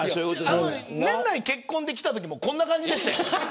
年内結婚で来たときもこんな感じでしたよ。